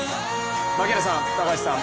槙原さん、高橋さん